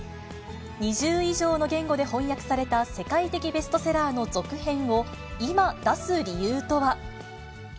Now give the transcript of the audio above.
２０以上の言語で翻訳された世界的ベストセラーの続編を、今出す理由とは。